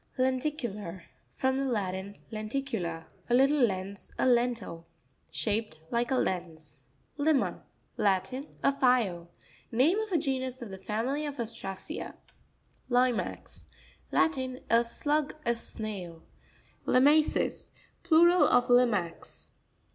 Lenti'cutar.—From the Latin, len ticula, a little lens, a _ lentil, Shaped like a lens, Li'ma.—Latin. A file. Name of a genus of the family of Ostracea. Li'max.—Latin. A slug,a snail. | Lima'ces.—Plural of limax.